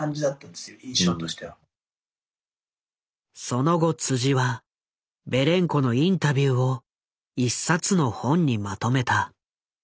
その後はベレンコのインタビューを一冊の本にまとめた。